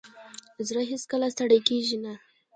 زړه هیڅکله ستړی نه کېږي.